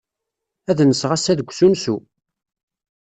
Ad nseɣ ass-a deg usensu.